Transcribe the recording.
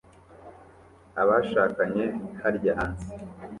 Abashakanye barya hanze